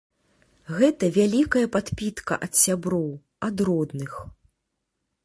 Гэта вялікая падпітка ад сяброў, ад родных.